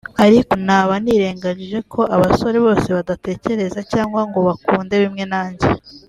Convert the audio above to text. ariko naba nirengagije ko abasore bose badatekereza cyangwa ngo bakunde bimwe nanjye